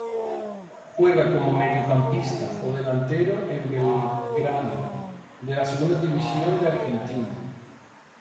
Juega como mediocampista o delantero en Belgrano de la Segunda División de Argentina.